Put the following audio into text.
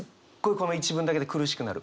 この一文だけで苦しくなる。